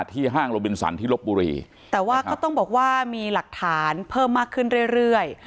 ห้างโลบินสันที่ลบบุรีแต่ว่าก็ต้องบอกว่ามีหลักฐานเพิ่มมากขึ้นเรื่อยเรื่อย